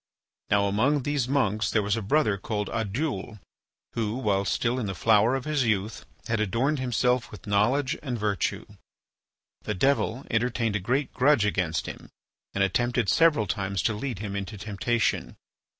Now among these monks there was a brother called Oddoul, who, while still in the flower of his youth, had adorned himself with knowledge and virtue. The devil entertained a great grudge against him, and attempted several times to lead him into temptation.